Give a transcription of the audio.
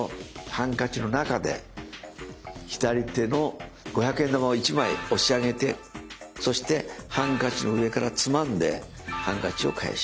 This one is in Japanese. ハンカチの中で左手の五百円玉を１枚押し上げてそしてハンカチの上からつまんでハンカチを返します。